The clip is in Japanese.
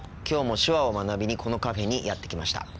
きょうも手話を学びにこのカフェにやって来ました。